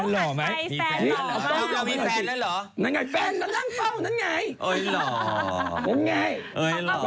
นึกให้เรายังตามนั่นไหล่โมงแล้วพ่อ